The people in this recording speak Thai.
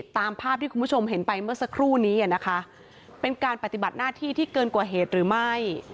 ตามภาพที่คุณผู้ชมเห็นไปเมื่อสักครู่นี้นะคะเป็นการปฏิบัติหน้าที่ที่เกินกว่าเหตุหรือไม่